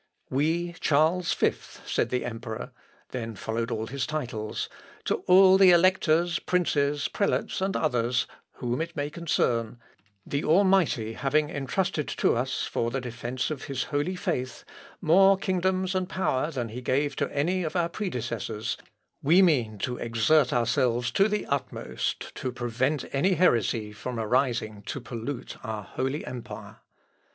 "We Charles Fifth," said the emperor, (then followed all his titles,) "to all the electors, princes, prelates, and others, whom it may concern, "The Almighty having entrusted to us, for the defence of his holy faith, more kingdoms and power than he gave to any of our predecessors, we mean to exert ourselves to the utmost to prevent any heresy from arising to pollute our holy empire.